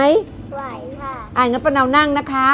อย่างนั้นพระนาวนั่งนะคะ